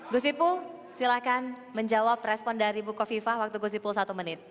gusipul silahkan menjawab respon dari bu kofifa waktu gusipul satu menit